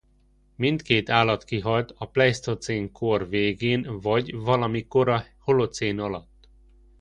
Minkét állat kihalt a pleisztocén kor végén vagy valamikor a holocén alatt.